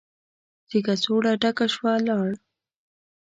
چې کڅوړه ډکه شوه، لاړ.